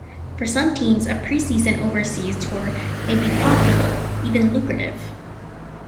For some teams a pre-season overseas tour may be profitable, even lucrative.